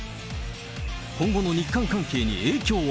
今後の日韓関係に影響は。